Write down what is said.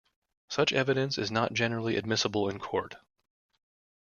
Such evidence is not generally admissible in court.